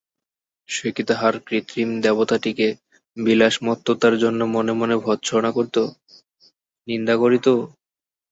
সে কি তাহার কৃত্রিম দেবতাটিকে বিলাসমত্ততার জন্য মনে মনে ভর্ৎসনা করিত, নিন্দা করিত?